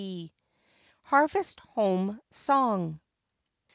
HARVEST HOME SONG.